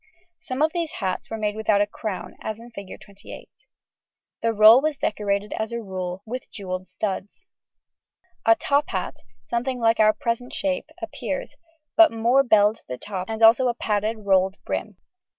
Some of these hats were made without a crown, as in Fig. 28 (see p. 94); the roll was decorated, as a rule, with jewelled studs. A top hat, something like our present shape, appears, but more belled at the top and also a padded, rolled brim.